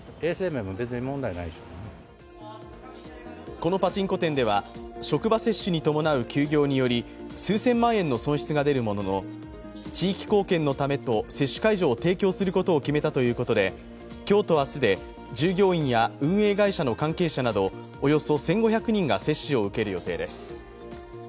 このパチンコ店では職場接種に伴う休業により数千万円の損失が出るものの地域貢献のためと接種会場を提供することを決めたということで今日と明日で従業員や運営会社の関係者などおよそ１５００人が接種を受ける予定です。